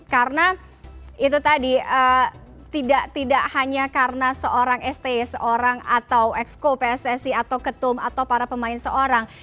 karena itu tadi tidak hanya karena seorang sti seorang atau exco pssi atau ketum atau para pemain seorang